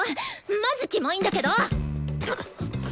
マジキモいんだけど！